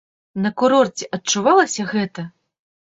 На курорце адчувалася гэта?